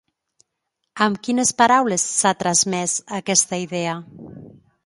Amb quines paraules s'ha transmès aquesta idea?